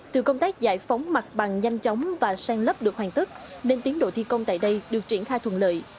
từ công tác giải phóng mặt bằng nhanh chóng và sang lấp được hoàn tất nên tiến độ thi công tại đây được triển khai thuận lợi